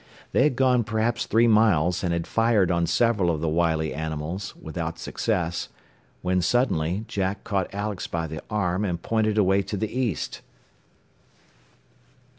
They had gone perhaps three miles, and had fired on several of the wily animals, without success, when suddenly Jack caught Alex by the arm and pointed away to the east.